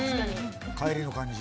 帰りの感じ。